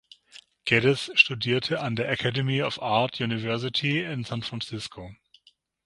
Geddes studierte an der Academy of Art University in San Francisco.